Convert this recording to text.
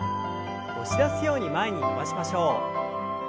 押し出すように前に伸ばしましょう。